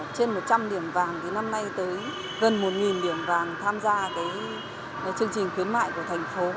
trên một trăm linh điểm vàng thì năm nay tới gần một điểm vàng tham gia chương trình khuyến mại của thành phố